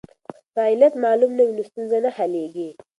که علت معلوم نه وي نو ستونزه نه حلیږي.